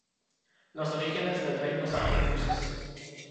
Los orígenes del reino son confusos.